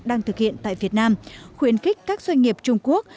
đang thực hiện tại việt nam khuyến khích các doanh nghiệp trung quốc